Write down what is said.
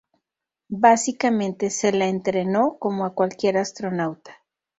Básicamente se la entrenó como a cualquier astronauta.